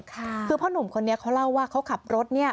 คือพ่อหนุ่มคนนี้เขาเล่าว่าเขาขับรถเนี่ย